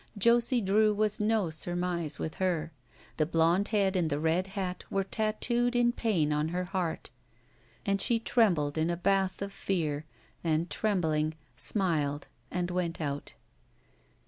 Josie Drew was no surmise with her. The blond head and the red hat were tatooed in pain on her heart and she trembled in a bath of fear, and, trembling, smiled and went out.